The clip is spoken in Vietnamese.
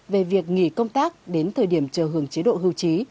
về việc nghỉ công tác đến thời điểm chờ hưởng chế độ hưu trí